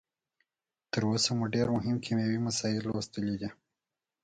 تر اوسه مو ډیر مهم کیمیاوي مسایل لوستلي دي.